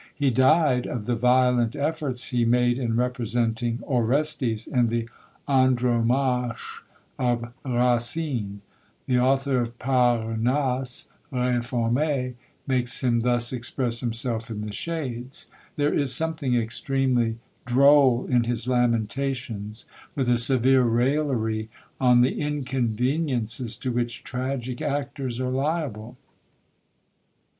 He died of the violent efforts he made in representing Orestes in the Andromache of Racine. The author of the "Parnasse Reformé" makes him thus express himself in the shades. There is something extremely droll in his lamentations, with a severe raillery on the inconveniences to which tragic actors are liable.